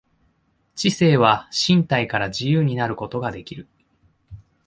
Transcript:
知性は身体から自由になることができる。